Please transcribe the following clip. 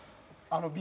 Ｂ